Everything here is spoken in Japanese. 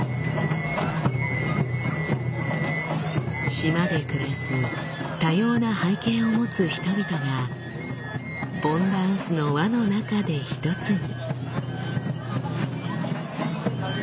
島で暮らす多様な背景を持つ人々が盆ダンスの輪の中で一つに。